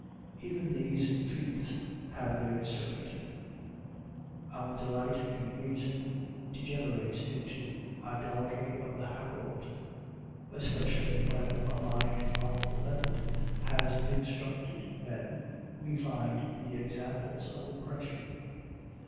Even these feasts have their surfeit. Our delight in reason degenerates into idolatry of the herald. Especially when a mind of powerful method has instructed men, we find the examples of oppression.